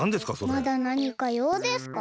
まだなにかようですか？